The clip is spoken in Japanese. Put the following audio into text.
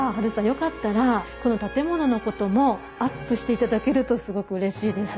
よかったらこの建物のこともアップしていただけるとすごくうれしいです。